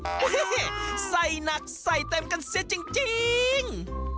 เฮ่เฮ่เฮ่ใส่หนักใส่เต็มกันเสียจริง